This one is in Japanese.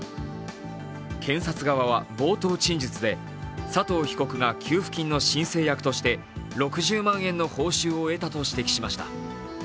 検察側は冒頭陳述で、佐藤被告が給付金の申請役として６０万円の報酬を得たと指摘しました。